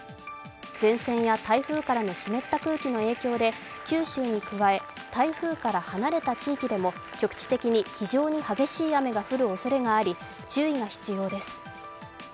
前線や台風からの湿った空気の影響で九州に加え台風から離れた地域でも局地的に非常に激しい雨が降るおそれがあり注意が必要です。